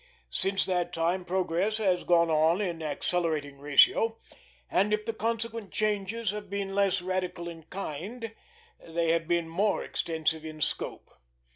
Since that time progress has gone on in accelerating ratio; and if the consequent changes have been less radical in kind, they have been more extensive in scope.